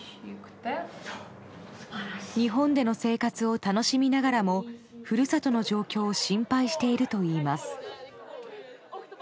日本での生活を楽しみながらも故郷の状況を心配しているといいます。